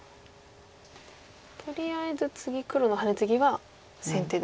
とりあえず次黒のハネツギは先手で。